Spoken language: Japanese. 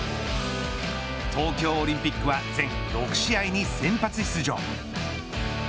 東京オリンピックは全６試合に先発出場。